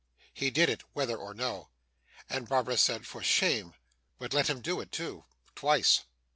He did it, whether or no. Barbara said 'for shame,' but let him do it too twice.